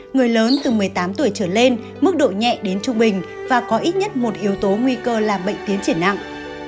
người lớn từ một mươi tám tuổi trở lên mức độ nhẹ đến trung bình và có ít nhất một yếu tố nguy cơ làm bệnh tiến triển nặng